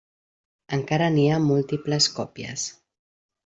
Encara n'hi ha múltiples còpies.